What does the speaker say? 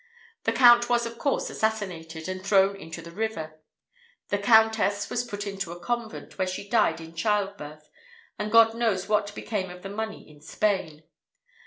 The Count was of course assassinated, and thrown into the river; the Countess was put into a convent, where she died in childbirth, and God knows what became of the money in Spain.